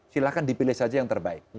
silahkan dipilih saja yang terbaik